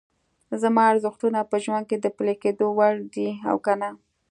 زما ارزښتونه په ژوند کې د پلي کېدو وړ دي او که نه؟